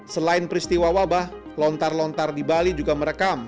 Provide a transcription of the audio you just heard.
selain peristiwa wabah lontar lontar di bali juga merekam